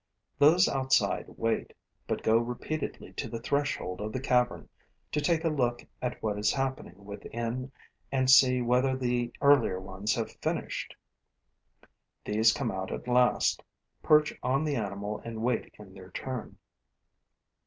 Those outside wait, but go repeatedly to the threshold of the cavern to take a look at what is happening within and see whether the earlier ones have finished. These come out at last, perch on the animal and wait in their turn.